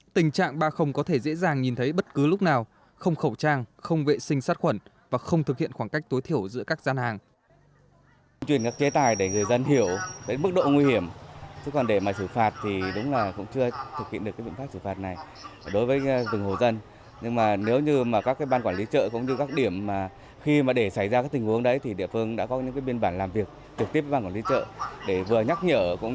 tình trạng ba không có thể dễ dàng nhìn thấy bất cứ lúc nào không khẩu trang không vệ sinh sát khuẩn và không thực hiện khoảng cách tối thiểu giữa các gian hàng